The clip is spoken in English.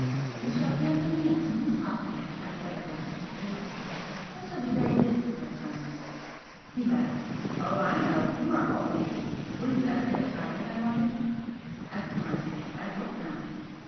"You shall hear from me as soon as possible," I said at last, evasively "I shall be very busy for a time " He laughed. "Oh, I know! You are always busy! Will you ever get tired, I wonder?" I smiled. "I hope not!"